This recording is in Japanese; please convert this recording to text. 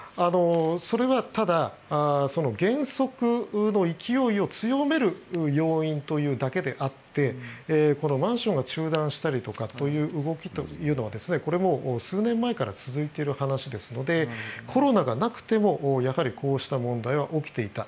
それはただ、減速の勢いを強める要因というだけであってマンションが中断したりとかという動きというのはこれはもう数年前から続いている話ですのでコロナがなくても、やはりこうした問題は起きていた。